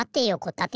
たて。